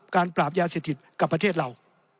การปราบยาเศรษฐิตกับประเทศเรา